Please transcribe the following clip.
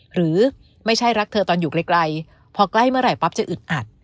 หรือไม่ใช่รักเธอตอนอยู่ไกลพอใกล้เมื่อไหร่ปั๊บจะอึดอัด